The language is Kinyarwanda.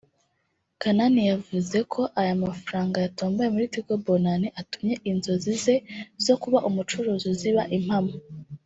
Kanani yavuze ko aya mafaranga yatomboye muri Tigo Bonane atumye inzozi ze zo kuba umucuruzi ziba impamo